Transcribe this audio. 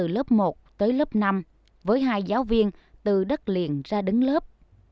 từ lớp một tới lớp năm với hai giáo viên từ đất liền ra đứng lớp